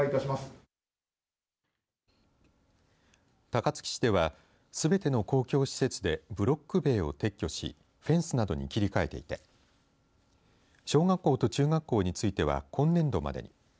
高槻市では、すべての公共施設でブロック塀を撤去しフェンスなどに切り替えていて小学校と中学校については今年度までに。